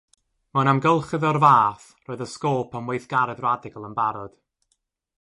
Mewn amgylchedd o'r fath roedd y sgôp am weithgaredd radical yn barod.